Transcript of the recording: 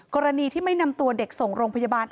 กรณีที่ไม่นำตัวเด็กส่งโรงพยาบาล